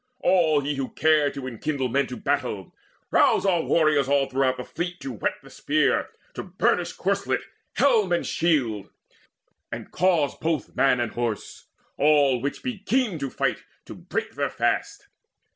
all ye Who care to enkindle men to battle: rouse Our warriors all throughout the fleet to whet The spear, to burnish corslet, helm and shield; And cause both man and horse, all which be keen In fight, to break their fast.